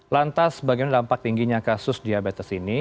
lantas bagaimana dampak tingginya kasus diabetes ini